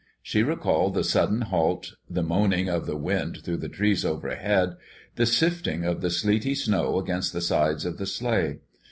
She recalled the sudden halt, the moaning of the wind through the trees overhead, the sifting of the sleety snow against the sides of the sleigh.